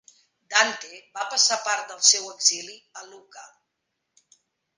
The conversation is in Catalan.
Dante va passar part del seu exili a Lucca.